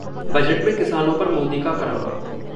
budget में किसानों पर मोदी का करम